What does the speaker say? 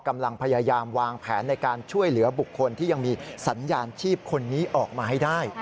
กำลังพยายามวางแผนในการช่วยเหลือบุคคลที่ยังมีสัญญาณชีพคนนี้ออกมาให้ได้